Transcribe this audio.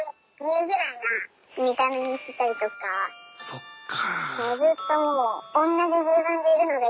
そっか。